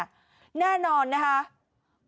แน่นอนนะคะคนแถวนั้นเนี่ยที่ไปไหว้แม่ยานาฯ